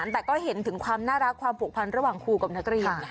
แต่ก็เห็นถึงความน่ารักความผูกพันระหว่างครูกับนักเรียน